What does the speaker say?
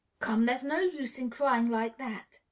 "Come, there's no use in crying like that!"